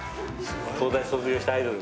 東大卒業したアイドル。